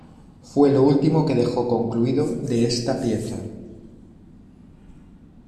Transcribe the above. Fue lo último que dejó concluido de esta pieza.